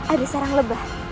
ada sarang lebah